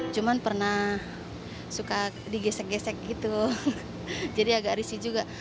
cuman pernah suka digesek gesek gitu jadi agak risih juga